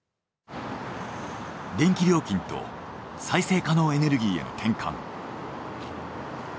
電気料金と再生可能エネルギーへの転換。